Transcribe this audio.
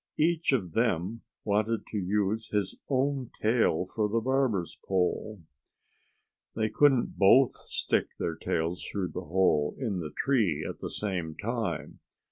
Each of them wanted to use his own tail for the barber's pole. They couldn't both stick their tails through the hole in the tree at the same time.